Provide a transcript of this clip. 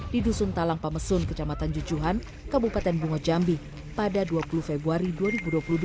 di dusun talang pamesun kecamatan jujuhan kabupaten bunga jambi pada dua puluh februari dua ribu dua puluh dua